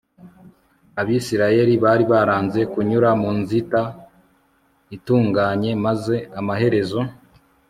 Abisirayeli bari baranze kunyura mu nzita itunganye maze amaherezo